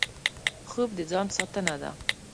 خوب د ځان ساتنه ده